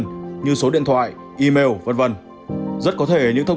thế nhưng chính điều này cũng mang đến rủi ro cho người sử dụng